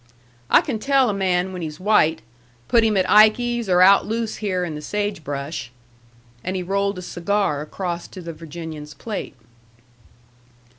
"I can tell a man when he's white, put him at Ikey's or out loose here in the sage brush." And he rolled a cigar across to the Virginian's plate.